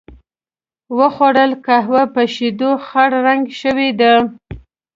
و خوړل، قهوه په شیدو خړ رنګه شوې وه.